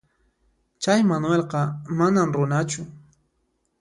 Chay Manuelqa manam runachu.